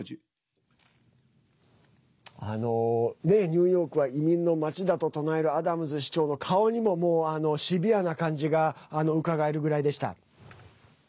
ニューヨークは移民の街だと唱えるアダムズ市長の顔にもシビアな感じがうかがえるぐらいでした。